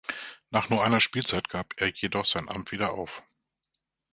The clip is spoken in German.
Nach nur einer Spielzeit gab es er jedoch sein Amt wieder auf.